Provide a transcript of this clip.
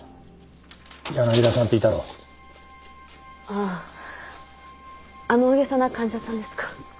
あああの大げさな患者さんですか。